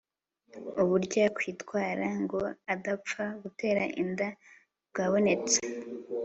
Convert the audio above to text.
uburyo yakwitwara ngo adapfa gutera inda bwabonetse